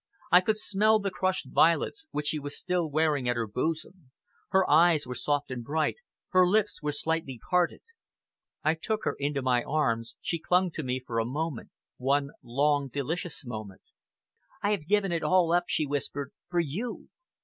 I could smell the crushed violets, which she was still wearing at her bosom; her eyes were soft and bright, her lips were slightly parted. I took her into my arms she clung to me for a moment one long, delicious moment. "I have given it all up," she whispered, "for you!